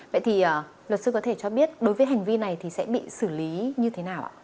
vậy thì luật sư có thể cho biết đối với hành vi này thì sẽ bị xử lý như thế nào ạ